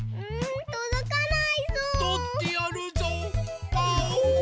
とってやるぞうパオーン！